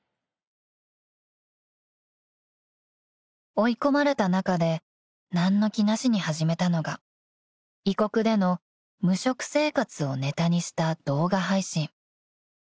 ［追い込まれた中で何の気なしに始めたのが異国での無職生活をネタにした動画配信］